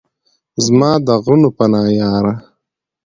زما د غرونو پناه یاره!